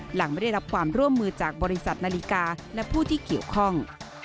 หลังไม่ได้รับความร่วมมือจากบริษัทนาฬิกาและผู้ที่เกี่ยวข้อง